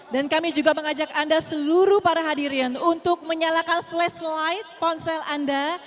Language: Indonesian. dan kami juga mengajak anda seluruh para hadirin untuk menyalakan flashlight ponsel anda